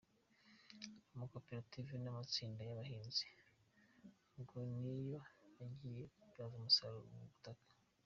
Amakoperative n’amatsinda y’abahinzi ngo ni yo agiye kubyaza umusaruro ubu butaka.